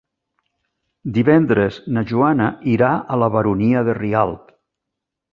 Divendres na Joana irà a la Baronia de Rialb.